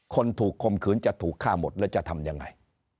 คนถูกคมขืนจะถูกฆ่าหมดแล้วจะทำยังไง